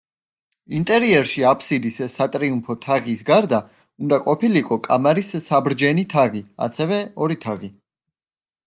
ინტერიერში აბსიდის სატრიუმფო თაღის გარდა უნდა ყოფილიყო კამარის საბრჯენი თაღი, ასევე ორი თაღი.